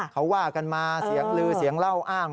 เขาว่ากันมาเสียงลือเสียงเล่าอ้าง